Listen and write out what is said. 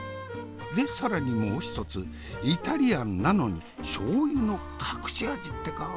で更にもう一つイタリアンなのにしょう油の隠し味ってか！